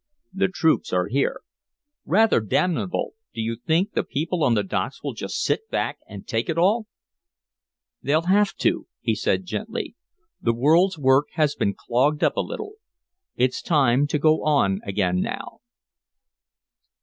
"The troops are here." "Rather damnable. Do you think the people on the docks will just sit back and take it all?" "They'll have to," he said gently. "The world's work has been clogged up a little. It's to go on again now."